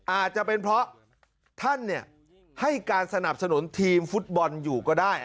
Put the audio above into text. อาจจะเป็นเพราะท่านให้การสนับสนุนทีมฟุตบอลอยู่ก็ได้